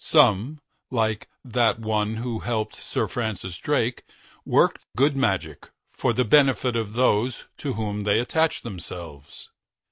Some, like that one who helped Sir Francis Drake, worked good magic for the benefit of those to whom they attached themselves.